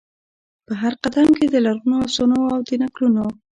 په هرقدم کې د لرغونو افسانو او د نکلونو،